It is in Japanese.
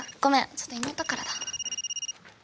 ちょっと妹からだ。